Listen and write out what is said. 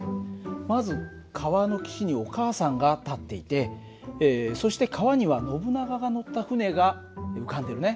まず川の岸にお母さんが立っていてそして川にはノブナガが乗った船が浮かんでるね。